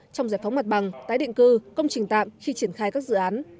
trong giải phóng mặt bằng tái định cư công trình tạm khi triển khai các dự án